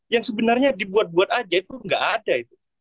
yang sebenarnya dibuat buat aja itu nggak ada